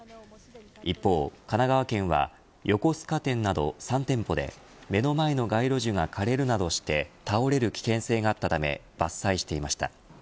一方、神奈川県は横須賀店など３店舗で目の前の街路樹が枯れるなどして倒れる危険性があったため伐採していました。